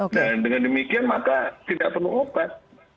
dan dengan demikian maka tidak perlu obat